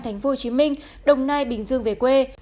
thành phố hồ chí minh đồng nai bình dương về quê